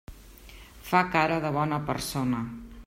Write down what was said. Fa cara de bona persona.